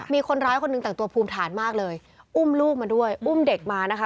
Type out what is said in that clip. มีคนร้ายคนหนึ่งแต่งตัวภูมิฐานมากเลยอุ้มลูกมาด้วยอุ้มเด็กมานะคะ